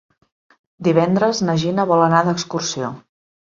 Divendres na Gina vol anar d'excursió.